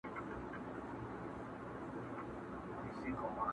ټول جهان له ما ودان دی نه ورکېږم!!